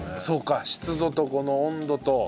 そうか湿度とこの温度と。